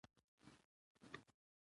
افغانستان له ژورې سرچینې ډک دی.